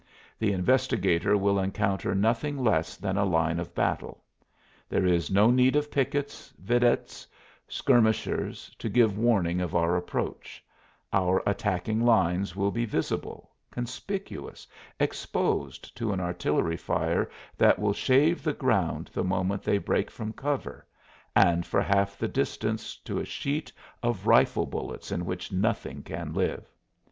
The investigator will encounter nothing less than a line of battle; there is no need of pickets, videttes, skirmishers, to give warning of our approach; our attacking lines will be visible, conspicuous, exposed to an artillery fire that will shave the ground the moment they break from cover, and for half the distance to a sheet of rifle bullets in which nothing can live.